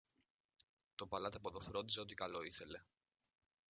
Το παλάτι από δω φρόντιζε ό,τι καλό ήθελε.